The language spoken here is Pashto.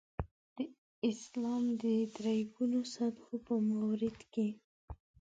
د اسلام د درې ګونو سطحو په مورد کې.